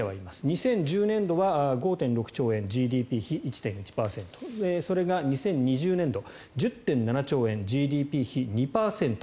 ２０１０年度は５．６兆円ＧＤＰ比１．１％それが２０２０年度１０．７兆円、ＧＤＰ比２％。